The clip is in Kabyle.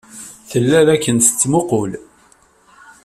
Tella la ken-tettmuqqul.